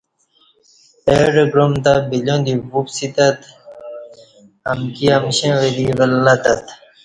اہ ڈہ گعام تہ بلیاں دی وپسی تت امکی امشیں وری ولہ تت